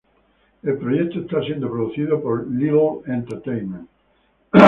El proyecto está siendo producido por Liddell Entertainment.